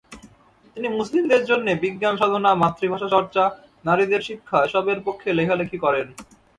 তিনি মুসলিমদের জন্যে বিজ্ঞানসাধনা, মাতৃভাষাচর্চা, নারীদের শিক্ষা এসবের পক্ষে লেখালেখি করেন।